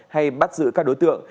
hay bắt giữ các đối tượng